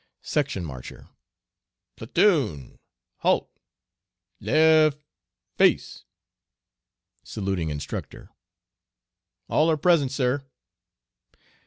Section Marcher. Platoon, halt! left, face! (Saluting Instructor) All are present, sir!